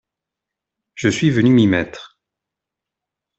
Je suis venu m’y mettre!